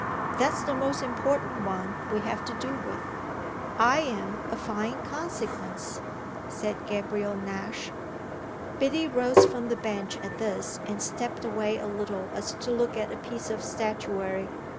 That's the most important one we have to do with. I am a fine consequence," said Gabriel Nash. Biddy rose from the bench at this and stepped away a little as to look at a piece of statuary.